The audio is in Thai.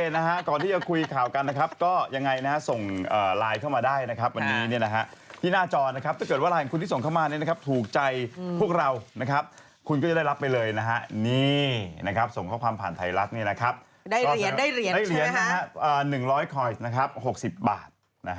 นี่นะครับส่งข้อความผ่านไทยรัฐนี่นะครับได้เหรียญได้เหรียญใช่มั้ยฮะ๑๐๐คอยน์นะครับ๖๐บาทนะฮะ